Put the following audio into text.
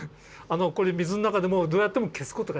これ水の中でもどうやっても消すことができない。